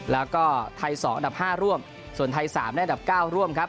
แล้วก็ไทย๒อันดับ๕ร่วมส่วนไทย๓ได้อันดับ๙ร่วมครับ